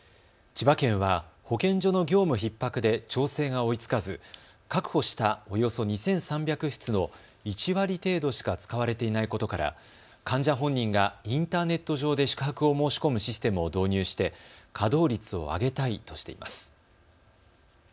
千葉県は保健所の業務ひっ迫で調整が追いつかず確保したおよそ２３００室の１割程度しか使われていないことから患者本人がインターネット上で宿泊を申し込むシステムを導入して稼働率を上げたいとしています。